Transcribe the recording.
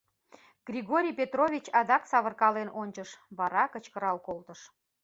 Григорий Петрович адак савыркален ончыш, вара кычкырал колтыш: